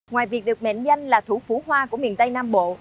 ngoài việc được mệnh danh là thủ phủ hoa của miền tây nam bộ